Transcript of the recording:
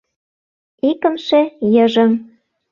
Икымше йыжыҥ